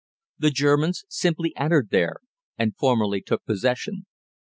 The Germans simply entered there and formally took possession.